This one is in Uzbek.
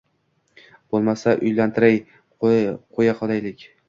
Bo`lmasa, uylantirmay qo`ya qolaylik